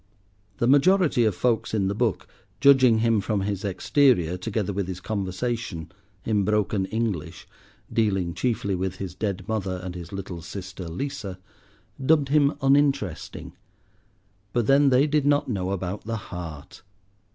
The majority of folks in the book, judging him from his exterior together with his conversation—in broken English, dealing chiefly with his dead mother and his little sister Lisa,—dubbed him uninteresting, but then they did not know about the heart.